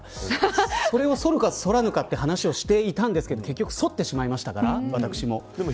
それを、そるかどうか話をしていたんですけど結局そってしまいましたから私も。